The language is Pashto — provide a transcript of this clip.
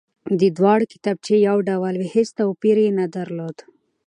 دې دواړې کتابچې يو ډول وې هېڅ توپير يې نه درلود،